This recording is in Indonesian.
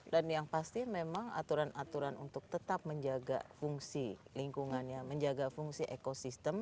dan yang pasti memang aturan aturan untuk tetap menjaga fungsi lingkungannya menjaga fungsi ekosistem